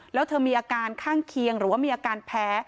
แล้วเธอมีอาการข้างเคียงหรือว่ามีอาการแพ้